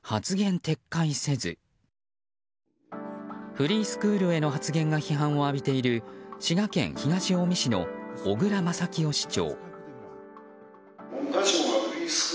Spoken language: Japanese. フリースクールへの発言が批判を浴びている滋賀県東近江市の小椋正清市長。